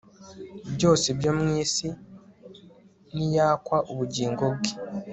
byose byo mu isi niyakwa ubugingo bwe